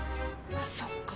そっか。